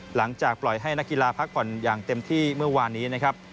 หลังจากปล่อยให้นักกีฬาพักผ่อนอย่างเต็มที่เมื่อวานนี้นะครับ